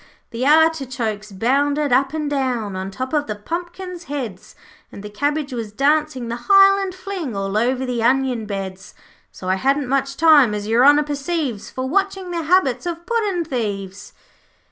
'The artichokes bounded up and down On top of the pumpkins' heads, And the cabbage was dancing the highland fling All over the onion beds. 'So I hadn't much time, as Your Honour perceives, For watching the habits of puddin' thieves.'